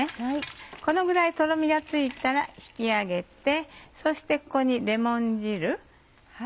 このぐらいとろみがついたら引き上げてそしてここにレモン汁。